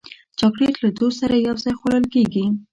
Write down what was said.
چاکلېټ له دوست سره یو ځای خوړل کېږي.